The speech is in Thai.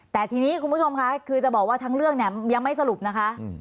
แต่ทีนี้คุณผู้ชมค่ะคือจะบอกว่าทั้งเรื่องเนี่ยยังไม่สรุปนะคะ